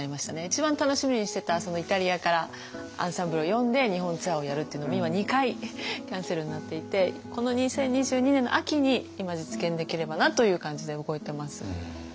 一番楽しみにしてたイタリアからアンサンブルを呼んで日本ツアーをやるっていうのも今２回キャンセルになっていてこの２０２２年の秋に今実現できればなという感じで動いてます。